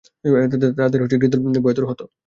তাদের হৃদয় ভয়াতুর হত।